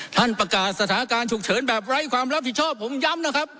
ท่านประกาศสถานการณ์ฉุกเฉินแบบไร้ความรับผิดชอบผมย้ำนะครับ